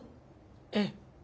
ええ。